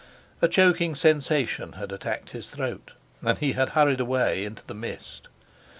A choking sensation had attacked his throat, and he had hurried away into the mist.